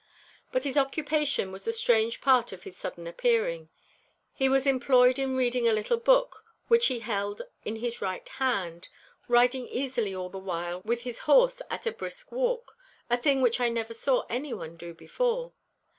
But his occupation was the strange part of his sudden appearing. He was employed in reading a little book which he held in his right hand, riding easily all the while with his horse at a brisk walk—a thing which I never saw anyone do before.